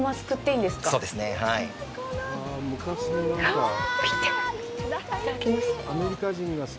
いただきます。